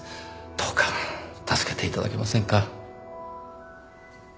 どうか助けて頂けませんか？